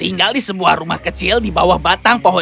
dia tinggal di sebuah rumah kecil di bawah batang pohon jeruk